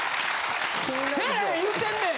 せえへん言うてんねん！